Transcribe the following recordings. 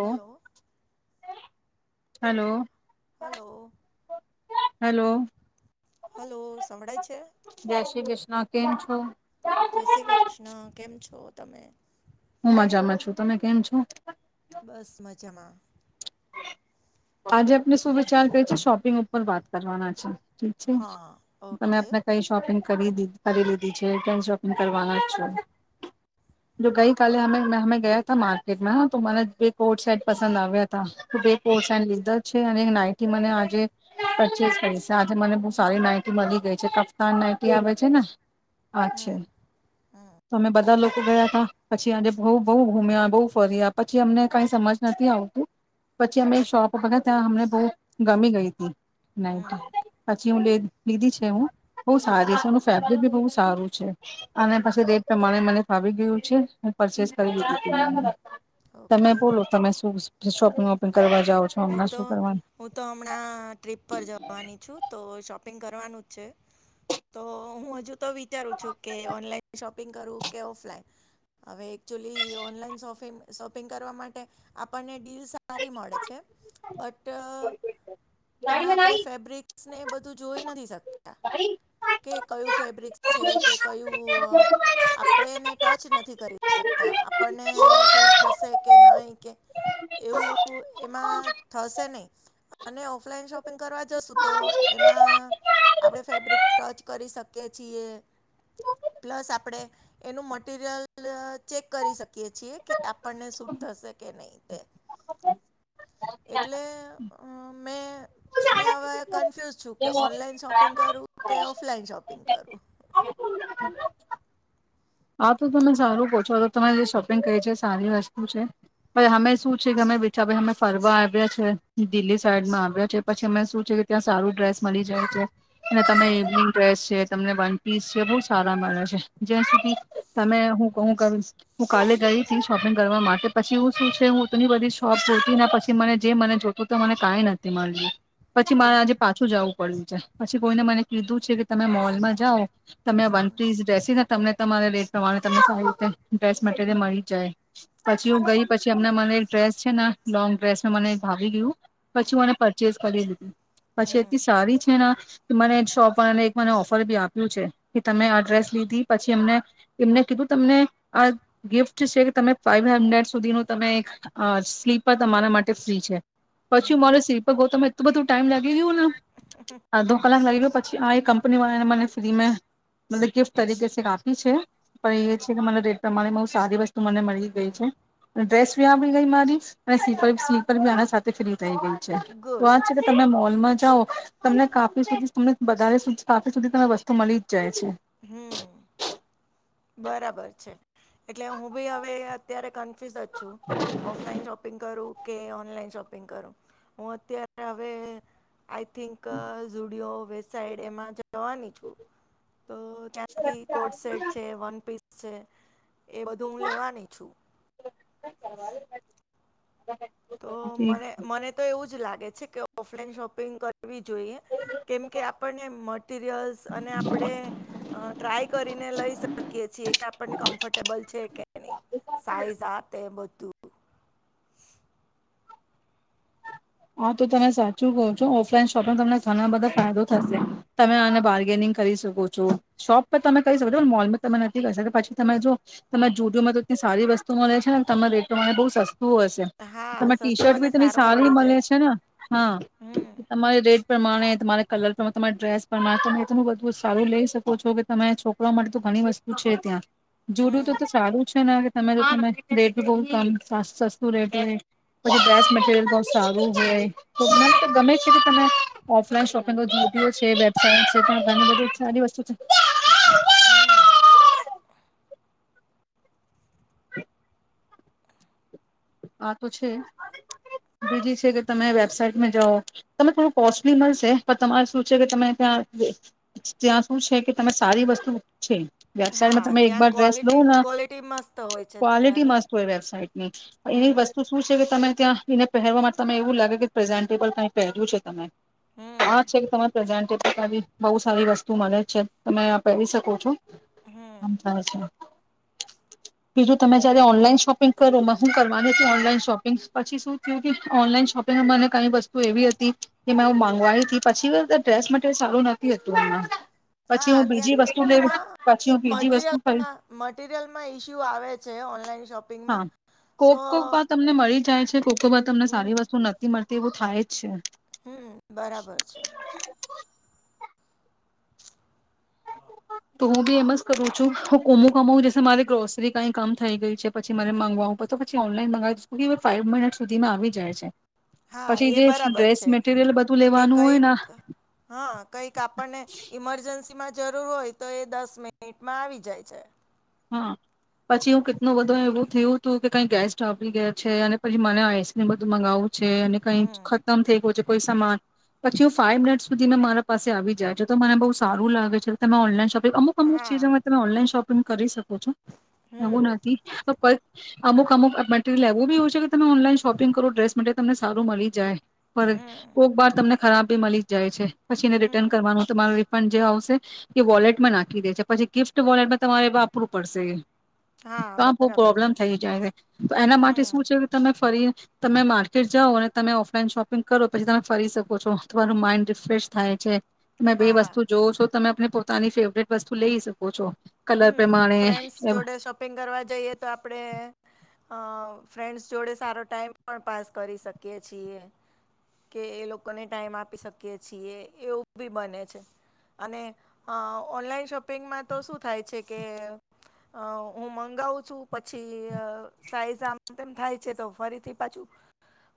Hello. Hello. Hello. Hello. Hello સંભળાય છે? હા કેમ છો? જય શ્રી કૃષ્ણ. કેમ છો તમે? હું મજામાં છું. તમે કેમ છો બસ મજામાં આજે આપણે શું વિચાર કરી છે શોપિંગ ઉપર વાત કરવાના છે. ઠીક હા છે તોમે ઓકે આપને કઈ શોપિંગ કરી દી કરી લીધી છે કેમ શોપિંગ કરવાના છો. જો ગઈ કાલે અમે ગયા તા માર્કેટમાં તો મને બે કોટ સેટ પસંદ આવ્યાતા. તો બે કોટસ લીધા છે અને નાઈટી મને આજે પરચેસ કરીશ. આજે મને બહુ સારી નાઈટી મલી ગઈ છે. કફતાન નાઈટી આવે છે ને અચ્છ હમ હમ તમે બધા લોકો ગયા હા પછી આજે બઉ બહુ ગુમ્યા બહુ ફર્યા પછી અમને કઈ સમજ નથી આવતું. પછી અમે તો આપ વગા ત્યાં અમને બહુ ગમી ગઈ તી હમ નાઈટી પછી હું લે લીધી છે હું બહુ સારી છે એનું ફેબ્રિક ભી બહુ સારું છે. અને પછી રેટ પ્રમાણે મને ફાવી ગયું છે. હું પરચેસ કરી લીધું તું મેં તમે ઓકે બોલો તમે શું શોપિંગ વોપિંગ કરવા જાવ હું તો હું તો હમણાં ટ્રીપ પર જવાની છું. તો શોપ શોપિંગ કરવાનું જ છે. તો હું હજુ તો વિચારું છું કે ઓનલાઈન શોપિંગ કરું કે ઓફલાઈન હવે એક્ચ્યુલી ઓનલાઈન શોપિંગ શોપિંગ કરવા માટે આપણને ડીલ સારી મળે છે. બટ એમાં આપણે ફેબ્રિક્સને એ બધું જોઈ નથી શક તા કે કયું ફેબ્રિક્સ છે કે કયું આપણે એને ટચ નથી કરી શકતા આપણને સૂટ થશે કે નહી કે એવું એ એમાં થશે નહીં. અને ઓફલાઈન શોપિંગ કરવા જશું તો એમાં આપણે ફેબ્રિક ટચ કરી શકીએ છીએ, પ્લસ આપણે એનું મટીરીયલ ચેક કરી શક કેછીએ કે આપણને શૂટ થશે કે નહીં. [inaudible] એટલે અ મેં મેં હવે કન્ફ્યુઝ છું કે ઓનલાઈન શોપિંગ કરું કે ઓફલાઈન શોપિંગ કરું [inaudible] આ તો તમે સારું પૂછો તો તમે જે શોપિંગ ક છે સારી વસ્તુ છે પછી અમે શું છે કે અમે બેચા અમે ફરવા આવ્યા છે દિલ્હી સાઈડમાં આવ્યા છે પછી અમે શું છે કે ત્યાં સારું ડ્રેસ મળી જાય છે એટલે તમે હા [unintelligible] ડ્રેસ છે તમને વનપીસ જે બહુ સારા મળે છે જ્યાં સુધી તમે હું કહ હું કાલે ગઈ હતી શોપિંગ કરવા માટે પછી હું શું છે હુંની બધી શોપ જોતી ને પછી મને જે મને જોત તો મને કંઈ નથી મળ્યું પછી મારે આજે પાછું જાઉું પડિયું છે પછી કોઈને મને કીધું છે કે તમે મોલમાં જાઓ. તમે વનપીસ [unintelligible] તમને તમારેે પ્રમાણે તમને સારી રીતે ડ્રેસ મટીરિયલ મળી જાય પછી હું ગઈ પછી એમના મને ડ્રેસ છે ને લોંગ ડ્રેસ મને ભાવી ગયું પછી મને પરચેસ કરી દીધી. પછી એથી સારી છે ને મને શોપ પરને એક મને ઓફર બી આપ્યું છે કે તમે આ ડ્રેસ લીધી પછી એમને એમને કીધું તમને આ ગિફ્ટ છે કે તમે ફાાઈવ હન્ડ્રેડ સુધીનું તમે એક સ્લીપર તમારા માટે ફ્રી છે પછી મારે શિલ્પકો હો તમે તો બધુ ટાઈમ લાગેના અધો કલાક લાગી ગ્યો પછી આ કંપની વાળાને મને ફ્રી મે મ ગિફ્ટ તરીકે આપી છે પણ એ છે કે મને રેટ પ્રમાણે શાદીસ્ મને મળી ગઈ છે ડ્રેસ આપડી ગઈ મારી અનેી પરી આ સાથે ફ થઈ ગઈ છે તો આ ગુડ. છે કે તમે મોલમાં જ જાઓ તમને કાફી સુધી તમને વધારે કાફી સુધી તમને વસ્તુ મળી જ જાય છે હમ બરાબર છે એટલે હું ભી હવે અત્યારે કન્ફ્યુઝ જ છુ ઓફ લઈન શાપિંગ કરું કે ઓનલાઈન શોપિંગ કરું હું અત્યારે હવે આઈ થિંક ઝુડિયો વેબસાઇટ એમાં જવાની છું ત્યાંથી કોટ સેટ છે વન પી છે એ બધું હું લેવાની છું [inaudible] તો છે મને મને તો એવું જ લાગે છે કે ઓફલાઈન શોપિંગ કર. વી જોઈએ કેમકે આપણને મટરિયલ્સ અને આપણે ટ્રાય કરીને લઈ શકીએ છીએ કે આપણને કમ્ફર્ટેબલ છે કે નહી સાઈઝ આ તે બધું હા તો તમે સાચું કહો છો ઓફલાઈન શોપમાં તમને ઘણા બધા ફાયદો થશે તમે આને બાર્ગેનિંગ કરી શકો છો શોપ પર તમે કરી શકો છો મોલમાં તમે નથી કરી શકો પછી તમે જો તમને જુડયોમાં તો સારી વસ્તુ મળે છે ને તમને રેટને બહુ સસ્ શું હશે હા તરે ટી સસ્તું શર્ટ બી અને તને સારું સારી મળી મળ જાય છે ને હા હમ તમારી રેટ પ્રમાણે તમારા કલર પ્રમાણે તમારા ડ્રેસ પ્રમાણે તમે એ તો બધું સારું લઈ શકો છો કે તમે છોકરા માટે તો ઘણી વસ્તુ છે ત્યાં. જુડું તો હમ તો સારું છે. તમે રેટ બહુ કમ સા સસ્તું રેટે પછી ડ્રેસ મટીરયલ બહુ સા ગમે છે તમે ઓફલાઈન શોપિંગ ઞુટુડિયો વેબસાઈટ છે ઘણી બધ સાદી વસ્તુ છે. [inaudible] આ તો છે બીજી છે કે તમે વેબસાાઈટમાં જાઓ તમે થોડું કોસ્ટલી મળશે પણ તમારે શું છે કે તમે ત્યાં ત્યાં શું છે કે તમે સારી વસ્તુ છે હા વેબસાઇટમાં તમે ત્યાં એકબર ડ્રેસ લવ ક્વોલિટી ક્વોલિટી મસ્ત હોય છે ક્વોલિટી ત્યાંની મસ્ત હોય વેબસાઇટ ની એની હમ વસ્તુ શું છે કે તમે ત્યાં એને પહેરવા માટે તમે એવું લાગે કે પ્રેઝન્ટેબલ કંઈ પહેર્યું છે તમે હા છે હમ કે તમામે પ્રેઝન્ટ આવી બહુ સારી વસ્તુ મલે છે તમે આ પહેરી શકો છો આમ થાય છે બીજું તમે જયારે ઓનલાઈન શોપિંગ કરો શું કરવાની હતી ઓનલાઈન શોપિંગ પછી શું થયું ઓનલાઈન શોપિંગને કઈ વસ્તુ એવી હતી કે મેં વાય હતી પછી ડ્રેસ મટરિયલ સારું નથી હતું એમાં પછી હા હું ત્યાં બીજી વસ્તુ લેવી એમાં પછી હું બીજી વસ્તુ ખરી મટીરિયલમાં મટીરિયલમાં ઈસ્યુ આવે છે ઓનલાઈન શોપિંગમાં હા કોક સો કોક વા તમને મળ જાય છે તમને સારી હમ વસ્તુ નથી મળ તેવું થાય જ છે. હમ બરાબર છે. [inaudible] તો હું બી એમ જ કરું છું હું કોમું કમાવું જ મારે ગ્રોસરી કઈ કામ થઈ ગયું છે પછી મારે માગવાવું પડ તો પછી ઓનલાઈન મંગાવી દશ ફાઈવ મિનટ સુધીમાં આવી જાય છે. હા પછી એ જે બરાબર ડ્રેસ છે મટીરિયલ બધું કે લેવાનું હોય કઈક ને હા કઈક આપણને ઈમરજન્સી માં જરૂર હોય તો એ દસ મિનિટમાં આવી જાય છે. હા પછી હું કેટલું બધો એવું થયું હતું કે કઈ ગેસ્ટ આપી ગયા છે અને પછી મને આઈસક્રીમ બધું મગાવું છે અને કઈ હમ ખતમ થઈ ગયો છે. કોઈ સમાન પછી હ ફાઈવ મિનિટ સુધી મે મારા પાસે આવી જાય છે તો મને બહુ સારું લાગે છે તમે ઓનલાન શોપ અમુક અમક હા ચીજ તમે ઓનલાઈન શો કરી શ કો છો હમ એવું નથી [unintelligible] અમુક અમુક મટરિયલ એવું બી હોય છે કે તમે ઓનલાઈન શોપિંગ કરો ડ્રેસ માટે તમને સારું મલી જાય ફરક હમ [unintelligible] તમને ખરાબી મલી જાય છે પછી એને રિટર્ન હમ કરવાનું તો તમારો રિફંડ જે આવશે એ વોલેટમાં નાખી દે છે પછી ગિફ્ટ વોલેટ તમારે વાપરું પડશે હા તો બો બરાબર પ્રોબ્લેમ છે થઈ જાય છે તો એના માટે હમ શું છે કે તમે ફરી તમે માર્કેટ જાઓ અને તમે ઓફલાઈન શોપિંગ કરો પછી તમે ફરી શકો છો તમારું માઇન્ડ રિફ્રેશ થાય છે. બે હા વસ્તુ જોવ છો તમે આપણે પોતાની ફેવરેટ વસ્તુ લઈ શકો છો કલર હમ પ્રમાણે ફ્રેન્ડ્સ જોડે શોપિંગ કરવા જઈએ તો આપડે અ ફ્રેન્ડ્સ જોડે સારો ટાઈમ પણ પાસ કરી શકીએ છીએ કે એ લોકોને ટાઈમ આપી શકીએ છીએ એવું બી બને છે અને ઓનલાઈન શોપિંગમાં તો શું થાય છે કે હું મંગાવું છું પછી સાઈઝ આમ તેમ થાય છે તો ફરીથી પાછું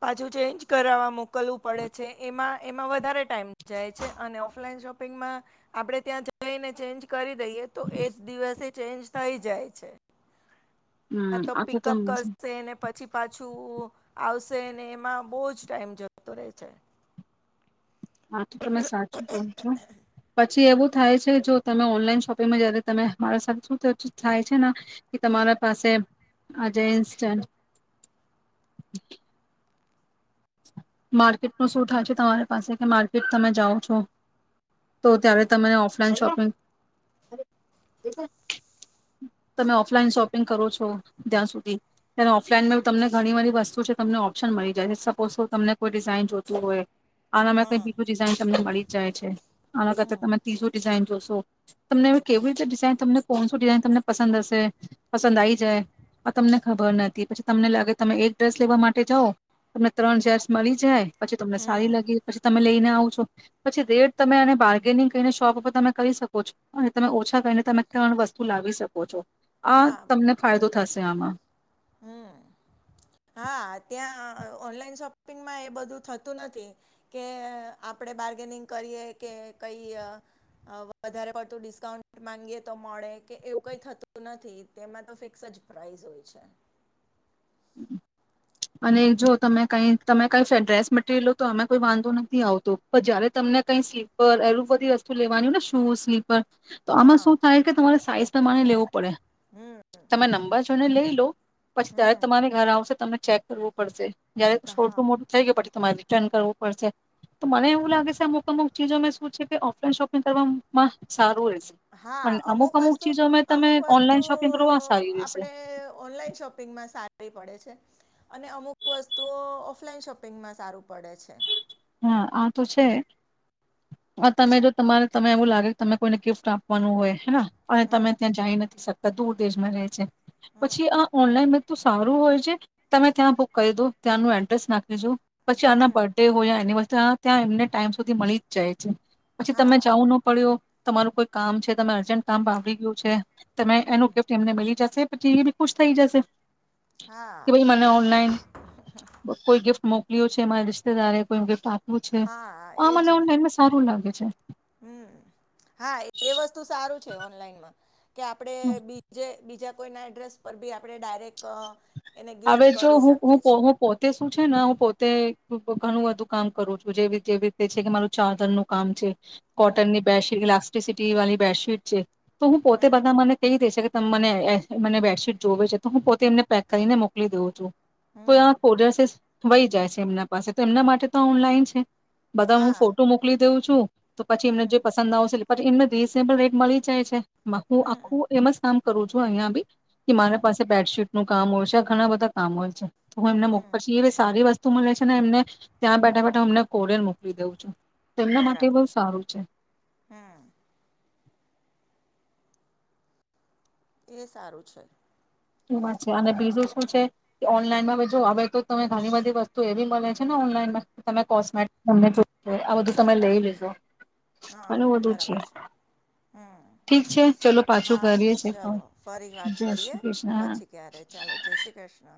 પાછું ચેન્જ કર મોકલવું પડે છે એમાં એમાં વધારે ટાઈમ જાય છે અને ઓફલાઈન શોપિંગમાં આપણે ત્યાં જઈને ચેન્જ કરી દઈએ તો એ જ દિવસે ચેન્જ થઈ જાય છે આ તો પિકઅપ કરશેને પછી પાછું આવશે ને એમાં બહુજ ટાઈમ જતો રહેે છે. હ તો તમે સાચું ક છો પછી એવું થાય છે જો તમે ઓનલાઈન શોપિંગમાં જયારે તમે મારા સાથે શું થાય છે. કે તમારા પાસે આજે ઇન્સ્ટન્ટ માર્કેટનું શું થાય છે તમારી પાસે કે માર્કેટ તમે જાઓ છો તો ત્યારે હમ. તને ઓફલાઈન શોપિ હ તમે ઓફલાઈન શોપિંગ કરો તો છો ત્યાં સુધી ત્યારે ઓફલાઈનમાં તમને ઘણી બધી વસ્તુ છે તમને ઓપ્શન મળી જાય છે ઓ શો તમને કોઈ ડિઝાઇન જોતું હોય આના માં કઈ હા બીજું ડિઝાઇ તમને મળી જાય છે આના કરતા તમે ત્રીજું ડિઝાઇન જોશો તમને કેવી રીતે ડિઝઇન તમને કોણ શું ડિઝાઇન તમને પસંદ હશે પસંદ આવીઈ જાય આ તમને ખબર નથી પછી તમને લાગે તમે એક ડ્રેસ લેવા માટે જાઓ તમને ત્રણ ચાન્સ મળી જાય. પછી તમને સારી હમ લાગી પછી તમે લઈને. પછી રેટ તમે બાર્ગેનિંગ કરીને શોપ ઉપર તમે કરી શકો છો અને તમે ઓછા કરીને તમે ત્રણ વસ્તુ લાવી શકો છો આ હા તમને ફાયદો થશે. લેવામાં હમ હા ત્યાં ઓનલાઈન શોપિંગમાં એ બધું થતું નથી કે આપણે બાર્ગેનિંગ કરીએ કે કઈ વધારે પડતું ડિસ્કાઉન્ટ માંગીએ તો મળે કે એવું કઈ થતું નથી તેમાં તો ફિક્સ જ પ્રાઈસ હોય છે [inaudible] અને જો તમે કઈ તમે કઈ ડ્રેસ મટરિયલો તો અમે કોઈ વાંધો નથી આવતો પણ જયારે તમને કઈ સ્લીપર એલું બધી વસ્તુ લેવાની ને શૂઝ સ્ તો આમાં હા શું થાય કે તમારે સાઈજ તમા મારે લેવું પડે તમે નંબર જોોને લઈ હલો પછી ત્યારે હમ તમારી ઘર આવશે તમને ચેક કરવો પડશે જયારે હા છોટુ મોટું થઈ ગય પછી તમારી ટન કરવું પડશે તો મને એવું લાગે છે અમુક અમુક ચીજો મેં શું છે કે ઓફલાઈન શોપિંગ કરવામાં સારું રહે. હા, અમુક વસ્તુ અમુક તમે વસ્તુ ઓનલાઈન શોપિંગ કરવા સારી રહેશે આપડે ઓનલાઈન શોપિંગમાં સારી. પડે છે અને અમુક વસ્તુઓ ઓફલાઈન શોપિંગમાં સારું પડે છે. હા, આતો છે. આ તમે જો તમારે તમે એવું લાગે કે તમે કોઈને ગિફ્ટ આપવાનું હોય હેના. પણ હમ તમે ત્યાં જઈ નથી શકતા. દૂર દેશમાં રહે છે. હમ પછી આ ઓનલાઈન સારું હોય છે, તમે ત્યાં બુક કરી દો ત્યાંનું એડ્રેસ નાખી દેજો. પછી આના હમ બડે હો એમને ટાઈમ સુધી મલી જ જાય છે. પછી તમે હા જવુંનો પડ્યો. તમારું કોઈ કામ છે તમે અર્જન્ટ કામ બાકી ગયું છે, તમે એનું ગિફ્ટ એમને મલી જશે. જી એબી ખુશ થઈ જશે. કે હા ભઈ મને ઓનલાઈન કોઈ ગિફ્ટ મોક્લ્યો છે માર રિશ્તેદારે. પણ ગિફ્ટ આ હુછે, હા અવે એજ મને ને ઓનલાઈનમાં સારું લાગે. અચ્છા. હમ, હા એ વસ્તુ સારું છે ઓનલાઈનમાં. કે આપડે બીજે બીજા કોઈ એડ્રેસ પરબી આપણે ડાયરેક્ટ અ એને હવે ગિફ્ટ જો કરી હું હું શકીએ પો છીએ હું પોતે શું છેને પોતે ઘણું બધું કામ કરું છું જેવી જેવી રીતે છે કે મારું ચારજનનું કામ છે. હમ કોટનની બે શી [unintelligible] ટી વાલી બેડશીટ છે. તો હું પોતે હમ બધાં મને કેય દે છેકે ત મને મને બેડશીટ જોવે છે તો હું પોતે એમને પેક કરીને મોક મોકલી દઉં છું. કોઈ હમ અ કોડરસિસ વહી જાય છે એમના પાસે તો એમના માટે તો ઓનલાઈન છે. બધાં હું હા ફોટો મોકલી દેઉં છું. તો પછી એમને હમ જે પસંદ આવશે પર એમને રીઝનેબલ રેટ મળી જાય છે. માં હું હમ આખું એમ જ આમ કરું છું અહિયાં બી. કે મારે હમ પાસે બેડશીટ નું કામ હોય શ ઘણા બધા કામ હોય છે. તો હું એમના મોક પર છી એવી સારી વ સતુ મલે છે ને એમને ત્યાં બેઠા બેઠા અમને કોડેર મોકલી દઉં છું. તેમના માટે બરાબર બોવ સારું છે. હમ એ સારું છે. એ વાત છે અને બીજું શું છે કે ઓનલાઈનમાં જો હવે તો ત ઘણી બધી વસ્તુ એવી મલે છે ને ઓનલાઈનમાં તમે કોસ્મેટિક તમને જોઇતુ આ બધું તમે લઈ લેજો હા ઘણું બધું બરાબર છે હમ ઠીક છે ચલો પાછું હા કરીએ છે કોલ ચલો ફરી વાત જય કરીએ શ્રી કૃષ્ણ પછી ક્યારે ચાલો જય શ્રી કૃષ્ણ